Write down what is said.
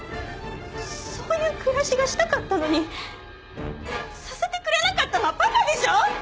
そういう暮らしがしたかったのにさせてくれなかったのはパパでしょ！